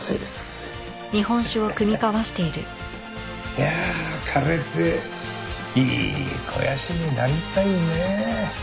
いやあ枯れていい肥やしになりたいねえ。